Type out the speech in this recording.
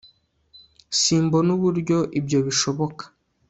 Simbona uburyo ibyo bishoboka